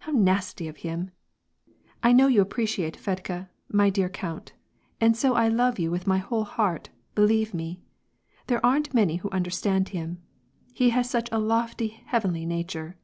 How nasty of him ! I know you appreciate Fedka, my dear count, and so I love you with my whole heart, believe me. There aren't many who understand him. He has such a lofty, heavenly, nature."